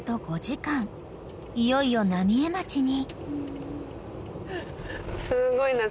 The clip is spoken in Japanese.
いよいよ浪江町に］